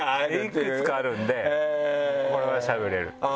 いくつかあるんでこれはしゃべれる。